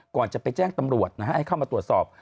ก่อนจะไปแจ้งตำรวจนะฮะให้เข้ามาตรวจสอบ